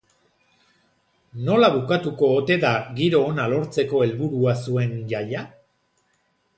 Nola bukatuko ote da giro ona lortzeko helburua zuen jaia?